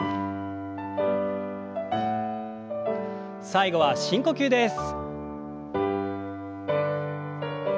最後は深呼吸です。